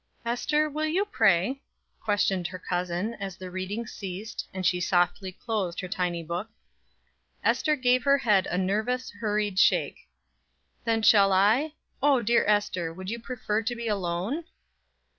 "Ester, will you pray?" questioned her cousin, as the reading ceased, and she softly closed her tiny book. Ester gave her head a nervous, hurried shake. "Then shall I? or, dear Ester, would you prefer to be alone?"